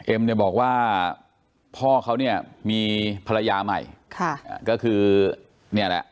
เนี่ยบอกว่าพ่อเขาเนี่ยมีภรรยาใหม่ค่ะก็คือเนี่ยแหละ